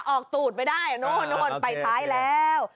ออกตูดไปได้ไปท้ายแล้ว